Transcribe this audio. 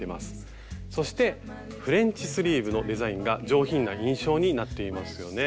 そしてフレンチスリーブのデザインが上品な印象になっていますよね。